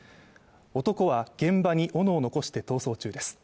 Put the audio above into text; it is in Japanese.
男は現場に斧を残して逃走中です。